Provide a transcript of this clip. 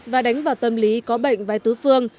và đánh vào tâm lý có bệnh vai tứ phương